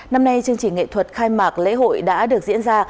năm nay chương trình nghệ thuật khai mạc lễ hội đã được diễn ra